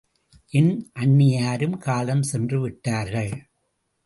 என் அண்ணியாரும் காலஞ் சென்று விட்டார்கள்.